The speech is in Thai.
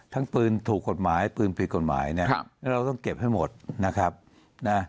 ทั้งปืนถูกกฎหมายปืนผิดกฎหมายเนี่ยครับแล้วเราต้องเก็บให้หมดนะครับนะ